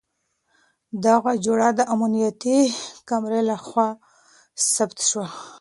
دغه جوړه د امنيتي کمرې له خوا ثبت شوه.